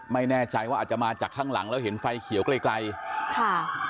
ไม่แน่ใจว่าอาจจะมาจากข้างหลังแล้วเห็นไฟเขียวไกลไกลค่ะ